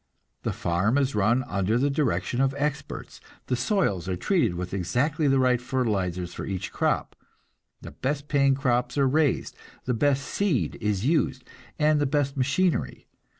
The farm is run under the direction of experts; the soils are treated with exactly the right fertilizers for each crop, the best paying crops are raised, the best seed is used, and the best machinery.